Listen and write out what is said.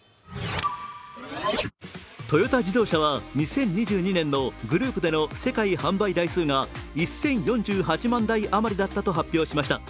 トヨタ自動車は２０２２年のグループでの世界販売台数が１０４８万台余りだったと発表しました。